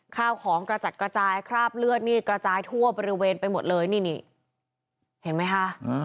ข้าวของกระจัดกระจายคราบเลือดนี่กระจายทั่วบริเวณไปหมดเลยนี่นี่เห็นไหมคะ